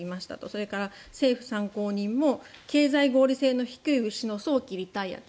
それから政府参考人も経済合理性の低い牛の早期リタイアと。